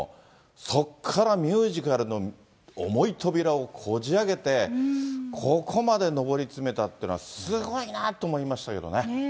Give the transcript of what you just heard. そこからミュージカルの重い扉をこじあけて、ここまで上り詰めたっていうのは、すごいなと思いましたけどね。